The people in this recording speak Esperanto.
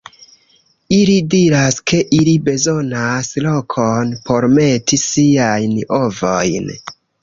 Ili diras ke ili bezonas lokon por meti siajn ovojn.